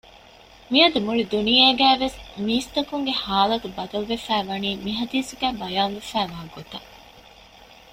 މިއަދު މުޅި ދުނިޔޭގައިވެސް މީސްތަކުންގެ ޙާލަތު ބަދަލުވެފައިވަނީ މި ޙަދީޘުގައި ބަޔާން ވެފައިވާ ގޮތަށް